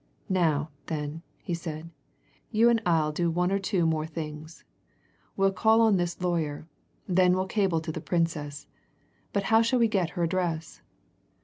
"Now, then," he said, "you and I'll do one or two things. We'll call on this lawyer. Then we'll cable to the Princess. But how shall we get her address!"